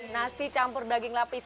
nasi campur daging lapis